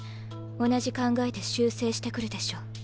同じ考えで修正してくるでしょう。